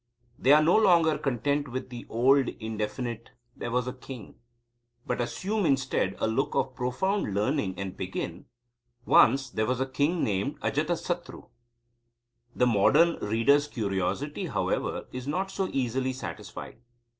They are no longer content with the old indefinite, "There was a king," but assume instead a look of profound learning, and begin: "Once there was a king named Ajatasatru," The modern reader's curiosity, however, is not so easily satisfied.